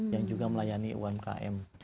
yang juga melayani umkm